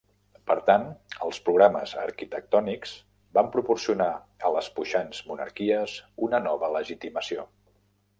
Per tant, els programes arquitectònics van proporcionar a les puixants monarquies una nova legitimació.